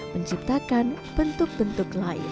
menciptakan bentuk bentuk lain